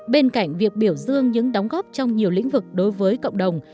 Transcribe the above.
bên cạnh việc biểu dương những đóng góp trong nhiều lĩnh vực đối với cộng đồng